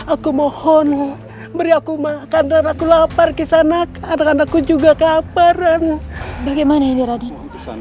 aku mohon beri aku makan dan aku lapar kesana karena aku juga keaparan bagaimana ini radit